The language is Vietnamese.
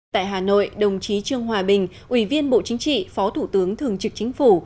tại hà nội đồng chí trương hòa bình ủy viên bộ chính trị phó thủ tướng thường trực chính phủ